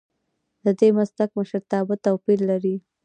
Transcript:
ددې مسلک مشرتابه توپیر لري.